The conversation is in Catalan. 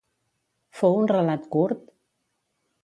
Fou un relat curt?